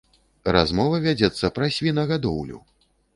Размова вядзецца пра свінагадоўлю!